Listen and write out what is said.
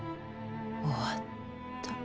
終わった。